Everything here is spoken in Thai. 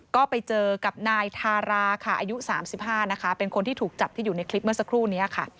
ก็ไปเจอกับนายทาราค่ะอายุ๓๕นะคะเป็นคนที่ถูกจับที่อยู่ในคลิปเมื่อสักครู่นี้ค่ะ